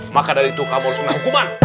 maka dari itu kamu harus mengenal hukuman